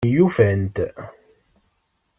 Myufant.